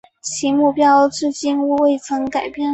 其目标至今未曾改变。